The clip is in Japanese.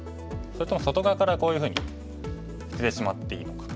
それとも外側からこういうふうに捨ててしまっていいのか。